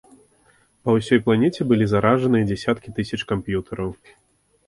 Па ўсёй планеце былі заражаныя дзясяткі тысяч камп'ютараў.